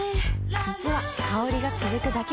実は香りが続くだけじゃない